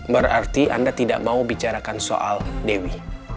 berarti anda tidak mau bicarakan soal dewi